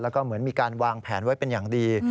แล้วก็เหมือนมีการวางแผนไว้เป็นอย่างดี